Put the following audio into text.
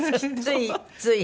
ついつい？